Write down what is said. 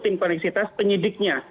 tim koneksitas penyidiknya